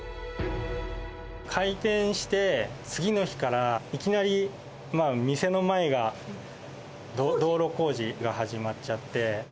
開店して次の日から、いきなり店の前が道路工事が始まっちゃって。